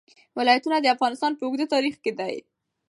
ولایتونه د افغانستان په اوږده تاریخ کې دي.